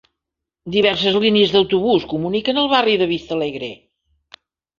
Diverses línies d'Autobús comuniquen el barri de Vista Alegre.